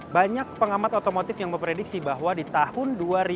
banyak pengamat otomotif yang memprediksi bahwa di tahun dua ribu dua puluh